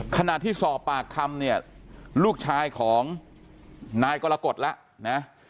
ขณะที่สอบปากคำเนี่ยลูกชายของนายกรกฎแล้วนะ